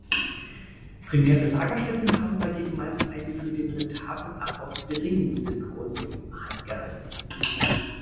Primäre Lagerstätten haben dagegen meist einen für den rentablen Abbau zu geringen Zirconium-Gehalt.